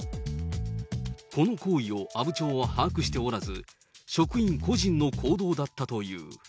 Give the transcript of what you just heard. この行為を阿武町は把握しておらず、職員個人の行動だったという。